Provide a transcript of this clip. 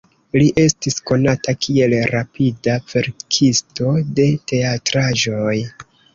Li estis konata kiel rapida verkisto de teatraĵoj.